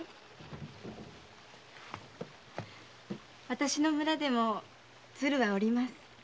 私の村でも鶴は折ります。